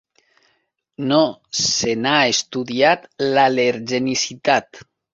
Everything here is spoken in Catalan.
No se n'ha estudiat l'al·lergenicitat.